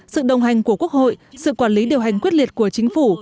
sự đồng hành của quốc hội sự quản lý điều hành quyết liệt của chính phủ